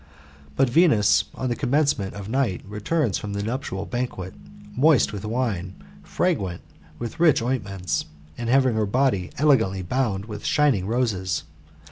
But Venus, on the commencement of night, returns from the nuptial banquet, moist with wine, fragrant with rich oint ments, and having her body elegantly bound with shining roses.